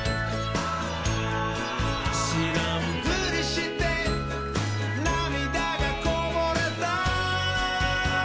「しらんぷりしてなみだがこぼれた」